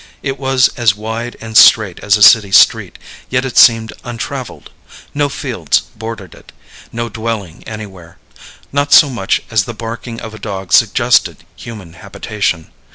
It was as wide and straight as a city street, yet it seemed untraveled. No fields bordered it, no dwelling anywhere. Not so much as the barking of a dog suggested human habitation.